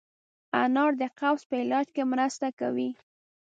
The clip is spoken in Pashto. انار د قبض په علاج کې مرسته کوي.